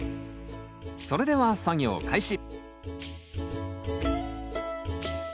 それでは作業開始！